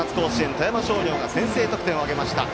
富山商業が先制得点を挙げました。